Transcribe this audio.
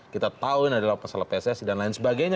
kita tahu ini adalah masalah pssi dan lain sebagainya